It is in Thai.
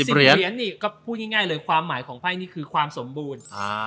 เสียงนี่ก็พูดง่ายเลยความหมายของไพ่นี่คือความสมบูรณ์